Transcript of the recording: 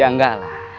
ya enggak lah